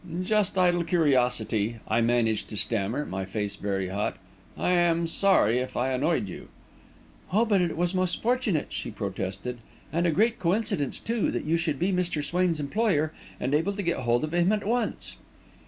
"Just idle curiosity," I managed to stammer, my face very hot. "I am sorry if I annoyed you." "Oh, but it was most fortunate," she protested; "and a great coincidence, too, that you should be Mr. Swain's employer, and able to get hold of him at once."